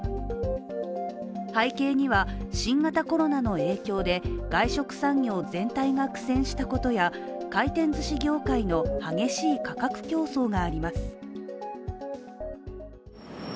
背景には、新型コロナの影響で外食産業全体が苦戦したことや回転ずし業界の激しい価格競争があります。